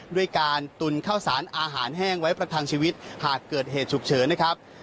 ด้วยการตุนข้าวสารอาหารแห้งไว้ประทังชีวิตหากเกิดเหตุฉุกเฉินนะครับ